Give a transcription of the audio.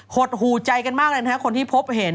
หดหูใจกันมากเลยนะฮะคนที่พบเห็น